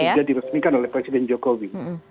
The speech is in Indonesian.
sudah diresmikan oleh presiden jokowi